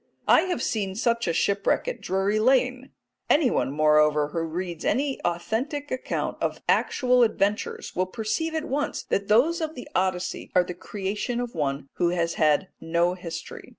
I have seen such a shipwreck at Drury Lane. Anyone, moreover, who reads any authentic account of actual adventures will perceive at once that those of the Odyssey are the creation of one who has had no history.